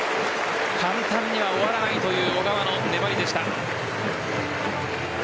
簡単には終わらないという小川の粘りでした。